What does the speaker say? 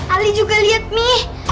ali juga liat mi